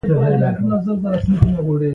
عربي نوم انتخاب شي.